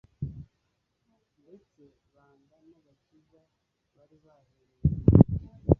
ndetse banga n'agakiza bari baherewe ubuntu.